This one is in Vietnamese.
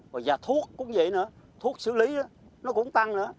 và thuốc cũng vậy nữa thuốc xử lý nó cũng tăng nữa